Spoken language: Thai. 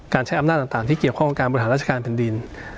การใช้อำนาจต่างที่เกี่ยวข้องกับกฎฐานราชการเป็นดิน